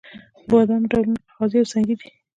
د بادامو ډولونه کاغذي او سنګي دي.